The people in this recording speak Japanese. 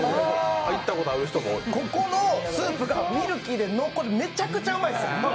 ここのスープがミルキーで濃厚でめちゃくちゃうまいんですよ。